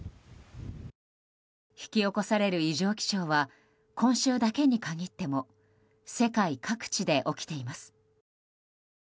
引き起こされる異常気象は今週だけに限っても世界各地で起きています。